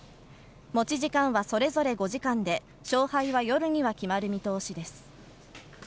持ち時間はそれぞれ５時間で、勝敗は夜には決まる見通しです。